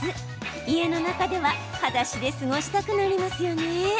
家の中では、はだしで過ごしたくなりますよね。